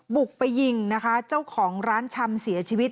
บุกไปยิงนะคะเจ้าของร้านชำเสียชีวิต